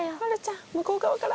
向こう側から。